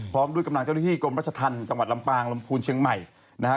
พร้อมด้วยกำลังเจ้าหน้าที่กรมรัชธรรมจังหวัดลำปางลำพูนเชียงใหม่นะฮะ